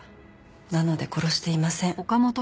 なので殺していません。